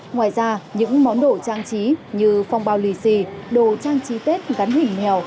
ngoài ra những món đồ trang trí như phong bao lì xì đồ trang trí tết gắn hình mèo